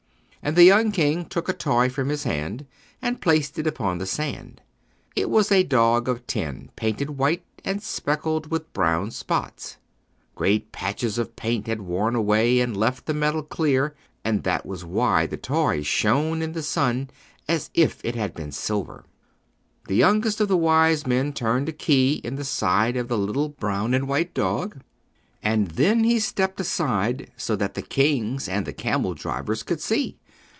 And the young king took a toy from his hand and placed it upon the sand. It was a dog of tin, painted white and speckled with black spots. Great patches of paint had worn away and left the metal clear, and that was why the toy shone in the sun as if it had been silver. The youngest of the wise men turned a key in the side of the little black and white dog and then he stepped aside so that the kings and the camel drivers could see.